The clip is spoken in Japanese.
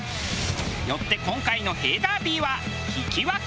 よって今回のへぇダービーは引き分け。